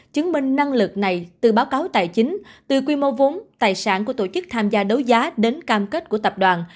chứng minh năng lực này từ báo cáo tài chính từ quy mô vốn tài sản của tổ chức tham gia đấu giá đến cam kết của tập đoàn